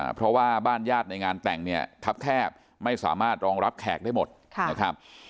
เพราะว่าบ้านญาติในงานแต่งเนี่ยทับแคบไม่สามารถรองรับแขกได้หมดนะครับ